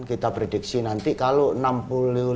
kita prediksi nanti kalau